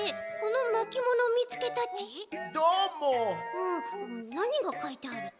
うんなにがかいてあるち？